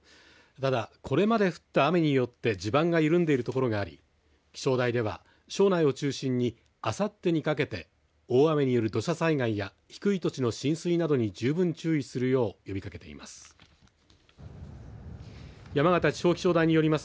ただ、これまで降った雨によって地盤が緩んでいる所があり気象台では庄内を中心にあさってにかけて大雨による土砂災害や低い土地の浸水などに十分注意するよう呼びかけています。